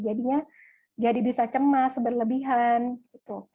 jadinya jadi bisa cemas berlebihan gitu